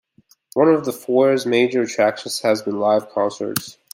One of the foire's major attractions has been live concerts.